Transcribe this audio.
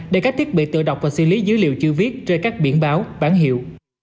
để các thiết bị tựa đọc và xử lý dữ liệu chữ viết trên các biển báo bản hiệu